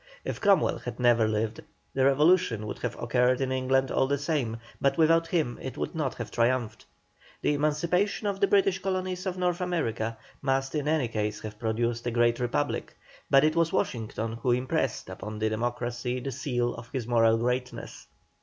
If Cromwell had never lived the Revolution would have occurred in England all the same, but without him it would not have triumphed. The emancipation of the British colonies of North America must in any case have produced a great Republic, but it was Washington who impressed upon the democracy the seal of his moral greatness.